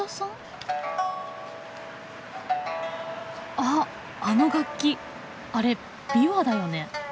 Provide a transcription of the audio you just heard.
あっあの楽器あれ琵琶だよね。